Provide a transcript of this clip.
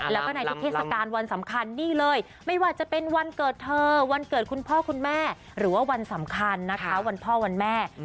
แล้วก็ในทุกเทศกาลวันสำคัญนี่เลยไม่ว่าจะเป็นวันเกิดเธอวันเกิดคุณพ่อคุณแม่หรือว่าวันสำคัญนะคะวันพ่อวันแม่